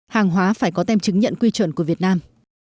hàng hóa phải có tem chứng nhận quy chuẩn của việt nam